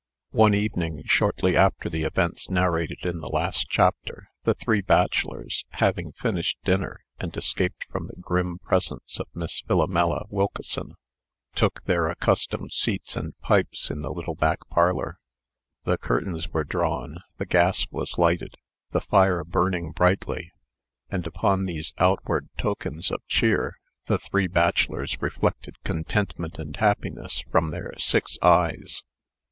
One evening, shortly after the events narrated in the last chapter, the three bachelors, having finished dinner, and escaped from the grim presence of Miss Philomela Wilkeson, took their accustomed seats and pipes in the little back parlor. The curtains were drawn, the gas was lighted, the fire burning brightly, and, upon these outward tokens of cheer, the three bachelors reflected contentment and happiness from their six eyes.